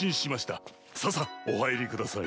ささっお入りください。